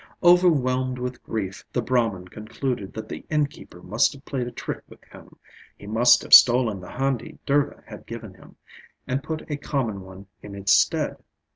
Overwhelmed with grief, the Brahman concluded that the innkeeper must have played a trick with him; he must have stolen the handi Durga had given him, and put a common one in its stead.